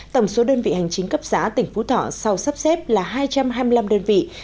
tổng số đơn vị hành chính cấp xã tỉnh phú thọ sau sắp xếp là hai trăm hai mươi năm đơn vị